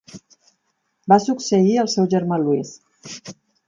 Va succeir al seu germà Louis.